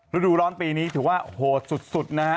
ฤดูร้อนปีนี้ถือว่าโหดสุดนะฮะ